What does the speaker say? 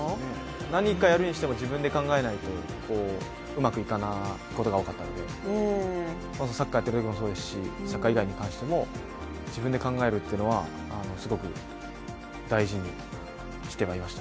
何かやるにしても自分で考えないとうまくいかないことが多かったので、まずサッカーやってるときもそうですしサッカー以外に関しても自分で考えるっていうことはすごく大事にしてはいました。